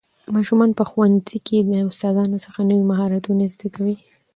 ماشومان په ښوونځي کې له استادانو څخه نوي مهارتونه زده کوي